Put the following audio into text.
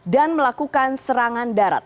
dan melakukan serangan darat